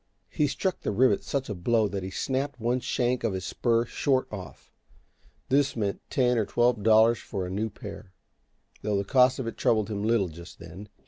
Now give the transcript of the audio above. He struck the rivet such a blow that he snapped one shank of his spur short off. This meant ten or twelve dollars for a new pair though the cost of it troubled him little, just then.